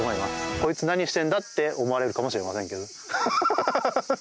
「こいつ何してんだ？」って思われるかもしれませんけど。